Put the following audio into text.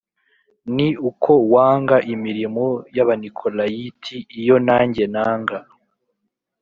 ni uko wanga imirimo y’Abanikolayiti, iyo nanjye nanga.’